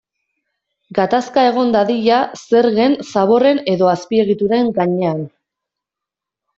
Gatazka egon dadila zergen, zaborren edo azpiegituren gainean.